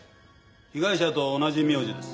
被害者と同じ名字です。